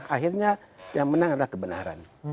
akhirnya yang menang adalah kebenaran